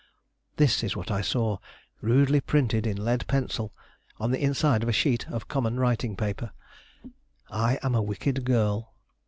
This is what I saw, rudely printed in lead pencil on the inside of a sheet of common writing paper: "I am a wicked girl.